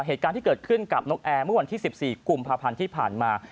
เหตุการณ์ที่เกิดขึ้นกับนกแอร์เมื่อวันที่๑๔กุมภาพันธ์ที่ผ่านมา